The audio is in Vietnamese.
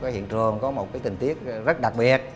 hiện trường có một tình tiết rất đặc biệt